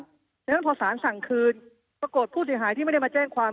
เพราะฉะนั้นพอสารสั่งคืนปรากฏผู้เสียหายที่ไม่ได้มาแจ้งความ